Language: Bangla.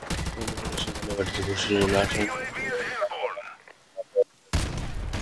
অন্নপূর্ণা সেইখানেই মাটিতে বসিলেন, আশা তাঁহার পায়ে মাথা দিয়া লুটাইয়া পড়িল।